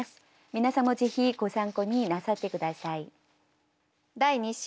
皆さんもぜひご参考になさって下さい。